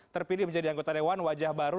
terpilih menjadi anggota dewan wajah baru